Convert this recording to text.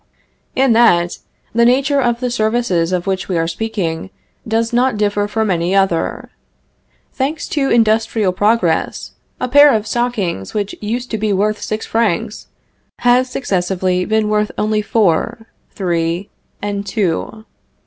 In that, the nature of the services of which we are speaking does not differ from any other. Thanks to industrial progress, a pair of stockings, which used to be worth six francs, has successively been worth only four, three, and two.